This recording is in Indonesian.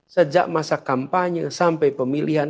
sejak masa kampanye sampai pemilihan